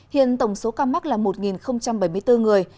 hiện tổng số ca mắc là một bảy mươi bốn người